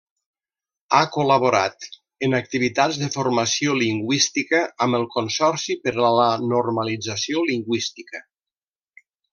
Ha col·laborat en activitats de formació lingüística amb el Consorci per a la Normalització Lingüística.